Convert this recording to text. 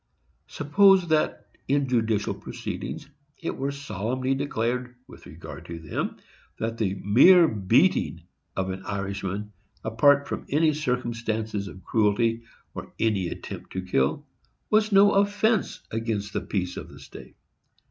Suppose that, in judicial proceedings, it were solemnly declared, with regard to them, that the mere beating of an Irishman, "apart from any circumstances of cruelty, or any attempt to kill," was no offence against the peace of the state.